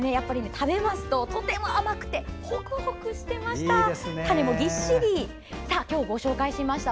食べますととても甘くてホクホクしていました。